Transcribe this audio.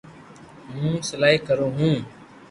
ھون سلائي ڪرو ھون